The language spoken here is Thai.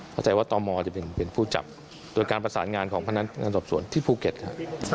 เข้าใจว่าตมจะเป็นผู้จับโดยการประสานงานของพนักงานสอบสวนที่ภูเก็ตครับ